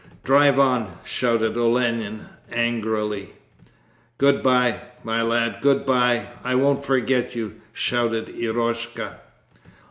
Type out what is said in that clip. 'Drive on!' shouted Olenin, angrily. 'Good bye, my lad! Good bye. I won't forget you!' shouted Eroshka.